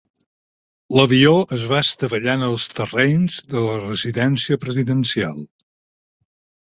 L'avió es va estavellar en els terrenys de la residència presidencial.